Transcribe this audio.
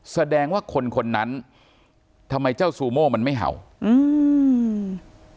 แสดงว่าคนคนนั้นทำไมเจ้าซูโม่มันไม่เห่าอืม